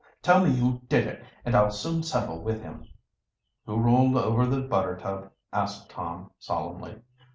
"Tell me who did it, and I'll soon settle with him." "Who rolled over the buttertub?" asked Tom solemnly.